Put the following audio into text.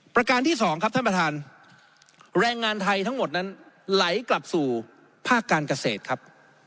ประการที่สองครับท่านประธานแรงงานไทยทั้งหมดนั้นไหลกลับสู่ภาคการเกษตรครับ